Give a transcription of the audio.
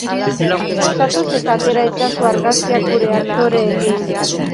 Zatoz eta atera itzazu argazkiak gure aktoreekin!